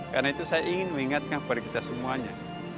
karena itu saya ingin mengingatkan kepada kita semuanya